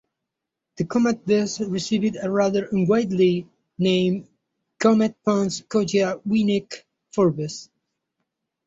The comet thus received the rather unwieldy name "Comet Pons-Coggia-Winnecke-Forbes".